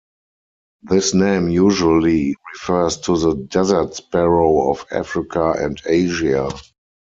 This name usually refers to the desert sparrow of Africa and Asia.